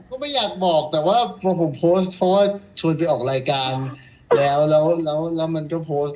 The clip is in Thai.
ไม่อยากบอกแต่ว่าพอผมโพสต์เพราะว่าชวนไปออกรายการแล้วแล้วมันก็โพสต์